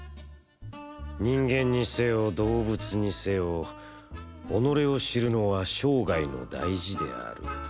「人間にせよ、動物にせよ、己を知るのは生涯の大事である。